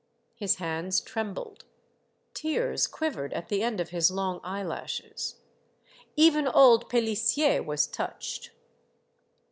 His hands trembled. Tears quiv ered at the end of his long eyelashes. Even old Pelissier was touched.